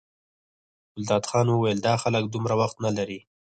ګلداد خان وویل دا خلک دومره وخت نه لري.